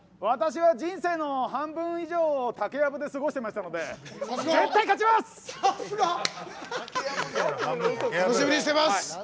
私は人生の半分以上を竹やぶで過ごしてましたので絶対勝ちます！